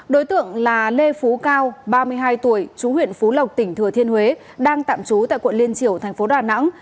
đối tượng là lê phú cao ba mươi hai tuổi chú huyện phú lộc tỉnh thừa thiên huế đang tạm trú tại quận liên triều thành phố đà nẵng